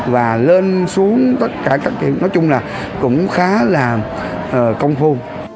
và lên xuống tất cả các kiểu nói chung là cũng khá là công phu